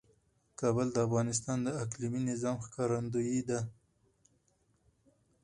کابل د افغانستان د اقلیمي نظام ښکارندوی ده.